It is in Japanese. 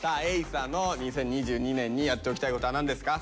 朝の「２０２２年にやっておきたいこと」は何ですか？